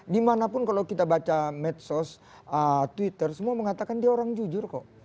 dimanapun kalau kita baca medsos twitter semua mengatakan dia orang jujur kok